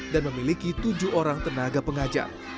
dan memiliki tujuh orang tenaga pengajar